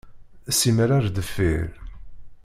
Simmal ar deffir.